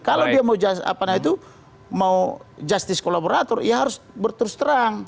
kalau dia mau justice kolaborator ya harus berterus terang